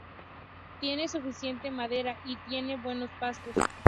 Tiene suficiente madera y tiene buenos pastos.